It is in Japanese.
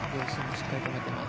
しっかり止めています。